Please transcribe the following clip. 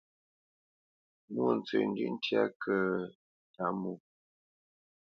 Mwôntsəndʉ̂ʼ ntyá kə̂ ə́ Tǎmwō?